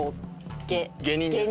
下人です。